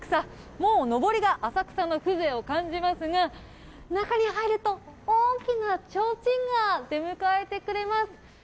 もうのぼりが浅草の風情を感じますが中に入ると大きなちょうちんが出迎えてくれます。